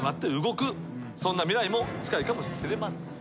そんな未来も近いかもしれません。